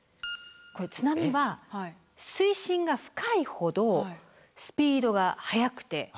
これ津波は水深が深いほどスピードが速くて。